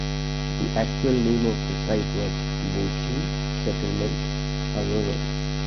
The actual name of the site was "Bouchie" Settlement", however.